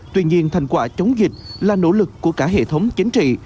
tuy nhiên thành quả chống dịch là nỗ lực của cả hệ thống chính trị